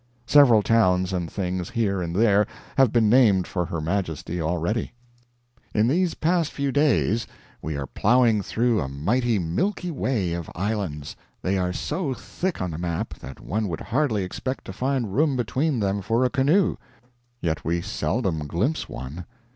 Several towns and things, here and there, have been named for Her Majesty already. In these past few days we are plowing through a mighty Milky Way of islands. They are so thick on the map that one would hardly expect to find room between them for a canoe; yet we seldom glimpse one.